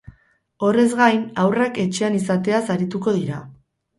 Horrez gain, haurrak etxean izateaz arituko dira.